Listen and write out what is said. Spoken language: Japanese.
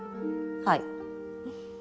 はい。